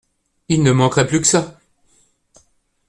Il ne manquerait plus que ça !